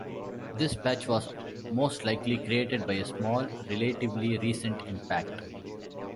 This patch was most likely created by a small, relatively recent impact.